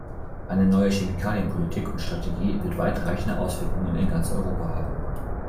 Eine neue Chemikalienpolitik und -strategie wird weit reichende Auswirkungen in ganz Europa haben.